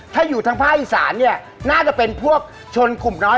ถ้าอยู่ทางภาคอีสานเนี่ยน่าจะเป็นพวกชนกลุ่มน้อย